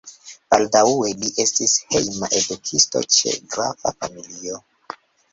Baldaŭe li estis hejma edukisto ĉe grafa familio.